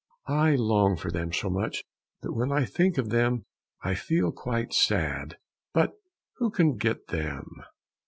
I long for them so much that when I think of them, I feel quite sad, but who can get them?